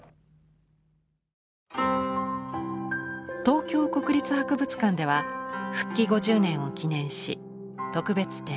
東京国立博物館では復帰５０年を記念し特別展